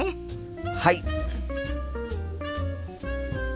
はい！